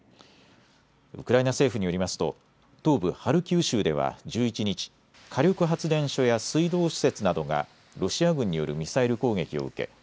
ウクライナ政府によりますと東部ハルキウ州では１１日、火力発電所や水道施設などがロシア軍によるミサイル攻撃を受け